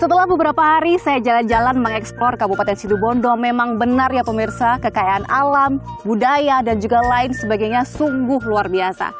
setelah beberapa hari saya jalan jalan mengeksplor kabupaten situbondo memang benar ya pemirsa kekayaan alam budaya dan juga lain sebagainya sungguh luar biasa